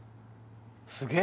すげえ